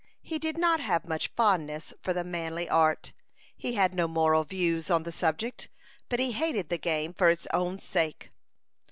He did not have much fondness for the manly art. He had no moral views on the subject, but he hated the game for its own sake.